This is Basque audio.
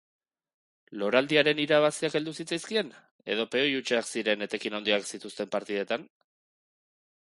Loraldiaren irabaziak heldu zitzaizkien edo peoi hutsak ziren etekin handiak uzten zituzten partidetan?